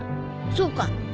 そうか。